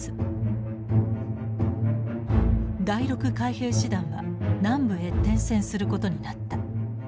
第６海兵師団は南部へ転戦することになった。